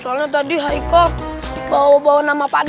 soalnya tadi haikal bawa bawa nama pak d